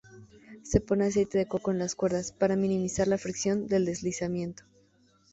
Se pone aceite de coco en las cuerdas para minimizar la fricción del deslizamiento.